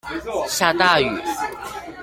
下大雨